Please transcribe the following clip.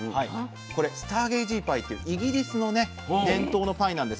これスターゲイジーパイというイギリスのね伝統のパイなんです。